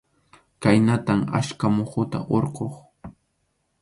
Khaynatam achka muhuta hurquq.